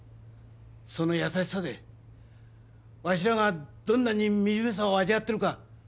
その優しさでわしらがどんなに惨めさを味わってるか